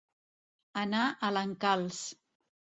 Anar a l'encalç.